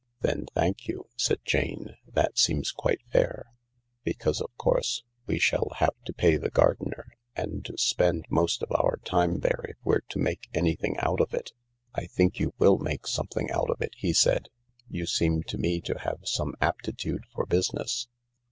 " Then thank you," said Jane ;" that seems quite fair, because, of course, we shall have to pay the gardener and to spend most of our time there if we're to make anvthine out of it." J 5 " I think you will make something out of it," he said. " You seem to me to have some aptitude for business.